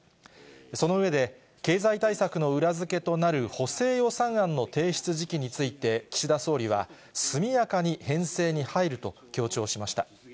その上で、経済対策の裏付けとなる補正予算案の提出時期について、岸田総理は、速やかに編成に入ると強調しました。